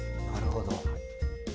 なるほど。